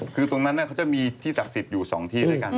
คือตรงนั้นเขาจะมีที่ศักดิ์สิทธิ์อยู่๒ที่ด้วยกัน